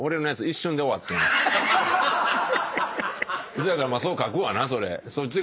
せやからそう書くわなそれ。